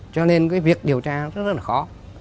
cho nên cái việc điều tra rất là khó